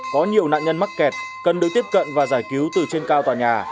có nhiều nạn nhân mắc kẹt cần được tiếp cận và giải cứu từ trên cao tòa nhà